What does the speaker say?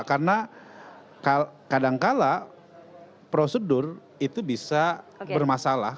karena kadangkala prosedur itu bisa bermasalah